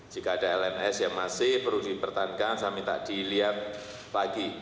jika ada lns yang masih perlu dipertahankan saya minta dilihat lagi